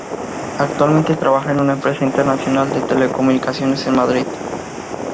Actualmente trabaja en una empresa internacional de Telecomunicaciones en Madrid.